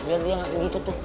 biar dia begitu tuh